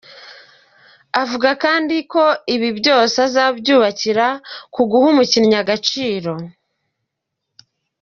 Avuga kandi ko ibi byose azabyubakira ku guha umukinnyi agaciro.